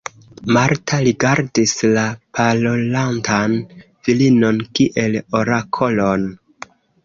Marta rigardis la parolantan virinon kiel orakolon.